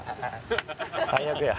最悪や。